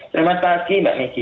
selamat pagi mbak miki